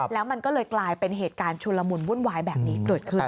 แล้วมันก็เลยกลายเป็นเหตุการณ์ชุนละมุนวุ่นวายแบบนี้เกิดขึ้น